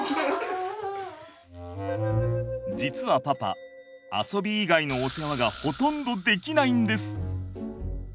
実はパパ遊び以外のお世話がほとんどできないんです。